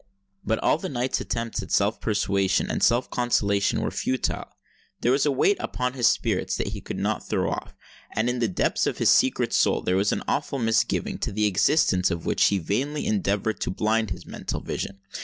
But all the knight's attempts at self persuasion and self consolation were futile: there was a weight upon his spirits that he could not throw off—and in the depths of his secret soul there was an awful misgiving, to the existence of which he vainly endeavoured to blind his mental vision.